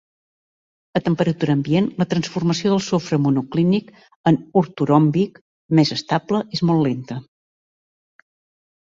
A temperatura ambient, la transformació del sofre monoclínic en ortoròmbic, més estable, és molt lenta.